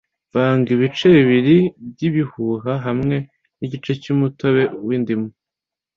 Vanga ibice bibiri byibihuha hamwe nigice cyumutobe windimu.